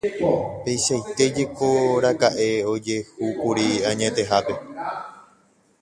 Peichaitéjekoraka'e ojehúkuri añetehápe.